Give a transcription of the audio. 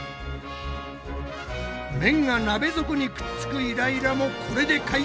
麺が鍋底にくっつくイライラもこれで解決！